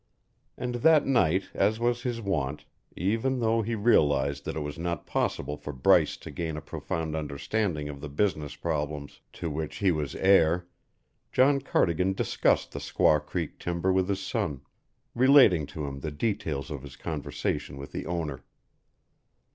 And that night, as was his wont, even though he realized that it was not possible for Bryce to gain a profound understanding of the business problems to which he was heir, John Cardigan discussed the Squaw Creek timber with his son, relating to him the details of his conversation with the owner.